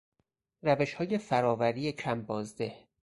روشهای فرآوری کم بازده